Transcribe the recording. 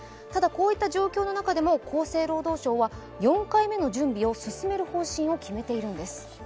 ただ、こういった状況の中でも厚生労働省は４回目の準備を進める方針を決めているんです。